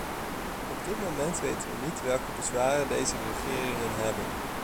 Op dit moment weten we niet welke bezwaren deze regeringen hebben.